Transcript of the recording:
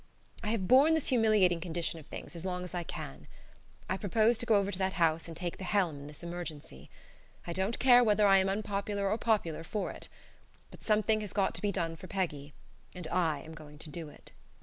I have borne this humiliating condition of things as long as I can. I propose to go over to that house and take the helm in this emergency. I don't care whether I am popular or unpopular for it. But something has got to be done for Peggy, and I am going to do it.